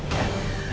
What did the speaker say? ya duduk dulu tante